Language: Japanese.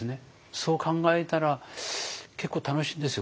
そう考えたら結構楽しいんですよ。